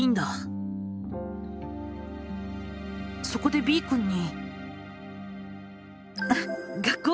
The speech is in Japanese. そこでＢくんに。